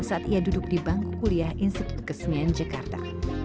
saat ia duduk di bangku kuliah institut kesenian jakarta